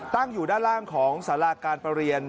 ตั้งอยู่ด้านล่างของสาราการประเรียน